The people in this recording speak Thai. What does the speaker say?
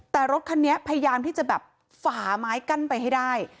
แต่รถคันนี้พยายามที่จะแบบฝาไม้กั้นไปให้ได้